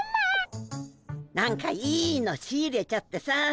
何かいいの仕入れちゃってさ。